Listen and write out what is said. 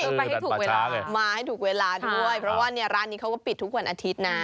ไปให้ถูกเวลามาให้ถูกเวลาด้วยเพราะว่าเนี่ยร้านนี้เขาก็ปิดทุกวันอาทิตย์นะ